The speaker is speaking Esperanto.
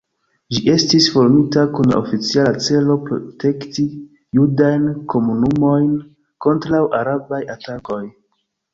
Ĝi estis formita kun la oficiala celo protekti judajn komunumojn kontraŭ arabaj atakoj.